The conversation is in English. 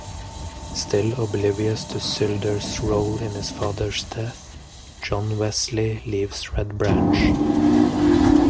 Still oblivious to Sylder's role in his father's death, John Wesley leaves Redbranch.